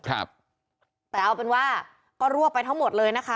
ครับแต่เอาเป็นว่าก็รวบไปทั้งหมดเลยนะคะ